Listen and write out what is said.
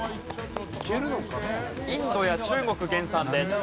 インドや中国原産です。